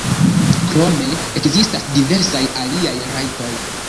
Krome ekzistas diversaj aliaj rajtoj.